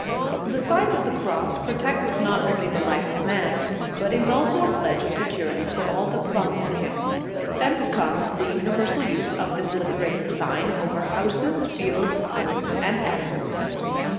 The Sign of the Cross protects not only the life of man, but is also a pledge of secur ity for all that belongs to him. Thence comes the universal use of this liberating sign over houses, fields, fruits and animals.